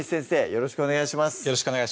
よろしくお願いします